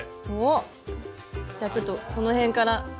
おっじゃあちょっとこの辺から。